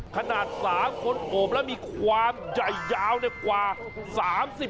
ขนาด๓คนโอบแล้วมีความใหญ่ยาวกว่า๓๐